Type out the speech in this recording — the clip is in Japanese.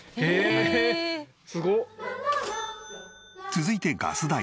続いてガス代。